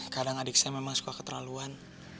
kadang adik saya memang suka keterlaluan